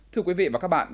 thưa quý vị và các bạn